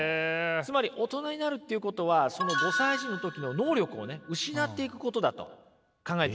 つまり大人になるっていうことは５歳児の時の能力をね失っていくことだと考えていたわけです。